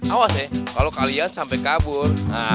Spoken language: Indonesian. awas ya kalau kalian sampai kabur